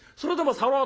皿は？